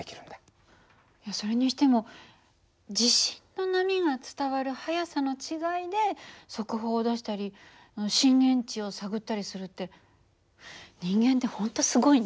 それにしても地震の波が伝わる速さの違いで速報を出したり震源地を探ったりするって人間って本当すごいね。